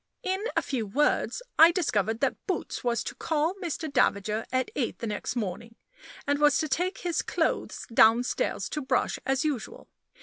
In a few words I discovered that Boots was to call Mr. Davager at eight the next morning, and was to take his clothes downstairs to brush as usual.